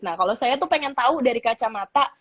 nah kalau saya tuh pengen tahu dari kacamata